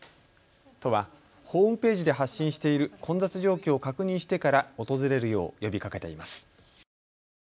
都はホームページで発信している混雑状況を確認してから訪れるよう呼びかけています。